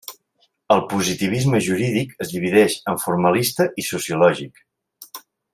El positivisme jurídic es divideix en formalista i sociològic.